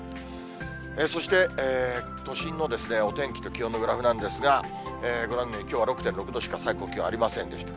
そして、都心のお天気と気温のグラフなんですが、ご覧のように、きょうは６．６度しか最高気温ありませんでした。